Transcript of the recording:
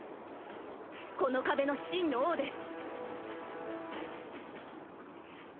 この壁の真の王です。